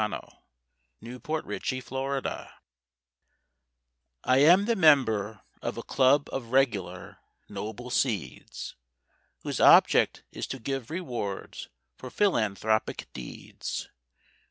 THE PHILANTHROPIC CLUB I am the member of a club of reg'lar noble seeds, Whose object is to give rewards for philanthropic deeds.